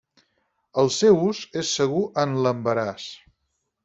El seu ús és segur en l'embaràs.